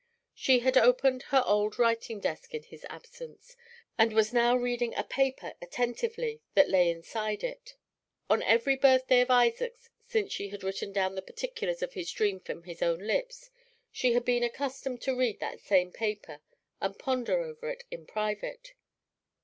She had opened her old writing desk in his absence, and was now reading a paper attentively that lay inside it. On every birthday of Isaac's since she had written down the particulars of his dream from his own lips, she had been accustomed to read that same paper, and ponder over it in private.